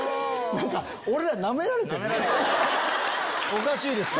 おかしいですね。